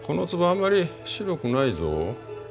あんまり白くないぞ。